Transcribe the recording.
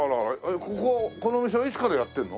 こここのお店はいつからやってるの？